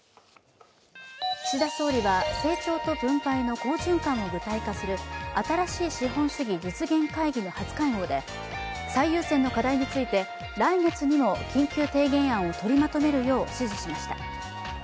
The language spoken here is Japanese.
岸田総理は成長と分配の好循環を具体化する新しい資本主義実現会議の初会合で最優先の課題について、来月にも緊急提言案を取りまとめるよう指示しました。